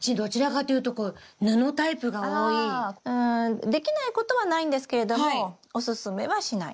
うんできないことはないんですけれどもおすすめはしない。